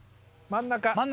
真ん中。